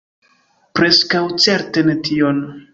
Preskaŭ certe ne tion.